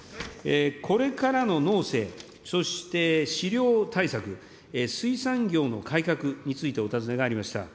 これからの農政、そして飼料対策、水産業の改革についてお尋ねがありました。